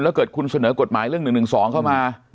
แล้วเกิดคุณเสนอกฎหมายเรื่อง๑๑๒เข้ามา